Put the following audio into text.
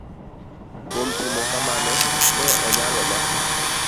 Kuom timo kamano, ne onyalo ma